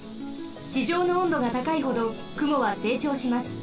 ちじょうの温度がたかいほどくもはせいちょうします。